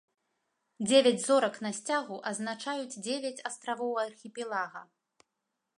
Дзевяць зорак на сцягу азначаюць дзевяць астравоў архіпелага.